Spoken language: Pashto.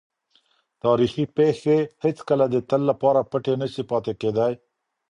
تاریخي پېښې هېڅکله د تل لپاره پټې نه سي پاتې کېدای.